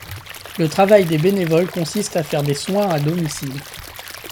Le travail des bénévoles consiste à faire des soins à domicile.